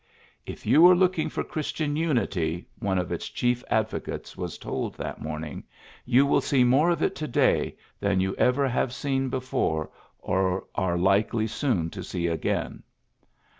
^^If you are look ing for Christian unity, '' one of its chief advocates was told that morning, ^^you will see more of it to day than you ever have seen before or are likely soon to see again.